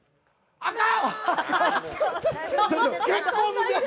あかん！